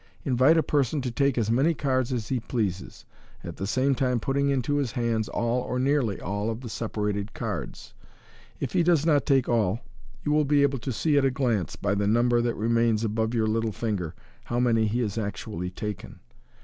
Invite a person to take as many cards as he pleases, at the same time putting into his hands all, or nearly all, of the separated cards. If he does not take all, you will be able to see at a glance, by the number that remains above your little finger, MODERN MAGIC. how many he has actually taken.